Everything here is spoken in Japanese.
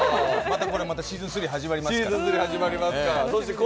シーズン３始まりますから。